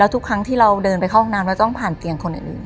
ทุกครั้งที่เราเดินไปเข้าห้องน้ำเราต้องผ่านเตียงคนอื่น